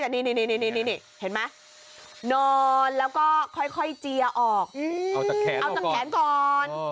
นอนแล้วก็ค่อยเจียออกเอาจากแขนก่อน